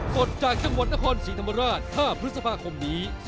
สดจากจังหวัดนครศรีธรรมราช๕พฤษภาคมนี้